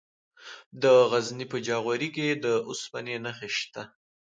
د غزني په جاغوري کې د اوسپنې نښې شته.